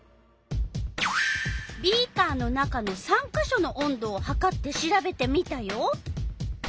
ビーカーの中の３か所の温度をはかってしらべてみたよ。